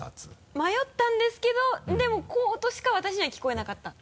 迷ったんですけどでもこうとしか私には聞こえなかった。